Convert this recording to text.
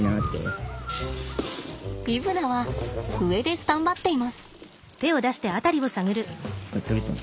イブナは上でスタンバっています。